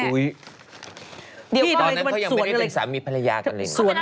ตอนนั้นเขายังไม่ได้เป็นสามีภรรยากันเลย